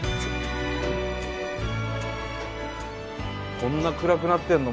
こんな暗くなってんの？